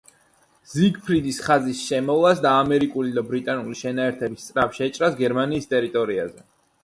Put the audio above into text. ზიგფრიდის ხაზის შემოვლას და ამერიკული და ბრიტანული შენაერთების სწრაფ შეჭრას გერმანიის ტერიტორიაზე.